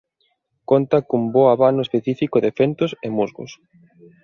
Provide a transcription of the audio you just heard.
Conta cun bo abano específico de fentos e musgos.